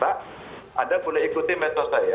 pak anda boleh ikuti metode saya